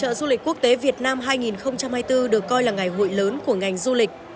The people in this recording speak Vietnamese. hội trợ du lịch quốc tế việt nam hai nghìn hai mươi bốn được coi là ngày hội lớn của ngành du lịch